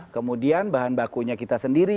kemudian bahan bakunya kita sendiri